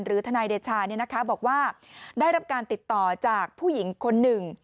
หรือทนายเดชาเนี่ยนะคะบอกว่าได้รับการติดต่อจากผู้หญิงคนหนึ่ง